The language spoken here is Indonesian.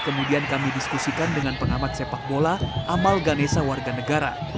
kemudian kami diskusikan dengan pengamat sepak bola amal ganesa warga negara